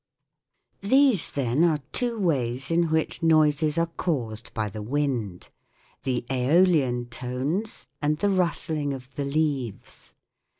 These, then, are two ways in which noises are caused by the wind : the " aeolian tones " and the rustling of the leaves.